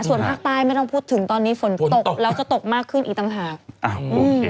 ส่วนภาคใต้ไม่ต้องพูดถึงตอนนี้ฝนตกแล้วจะตกมากขึ้นอีกต่างหากอ้าวอืม